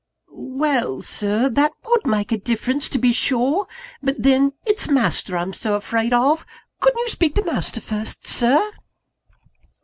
"Well, Sir, that would make a difference, to be sure. But then, it's master I'm so afraid of couldn't you speak to master first, Sir?"